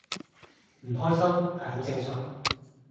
唔開心係好正常